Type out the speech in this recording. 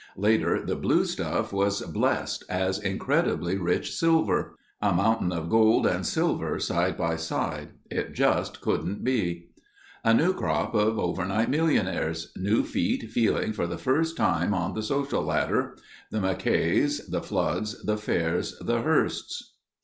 Later the "blue stuff" was blessed as incredibly rich silver. A mountain of gold and silver side by side. It just couldn't be. A new crop of overnight millionaires. New feet feeling for the first step on the social ladder. The Mackays, the Floods, the Fairs, the Hearsts.